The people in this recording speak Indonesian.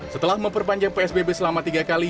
setelah memperpanjang psbb selama tiga kali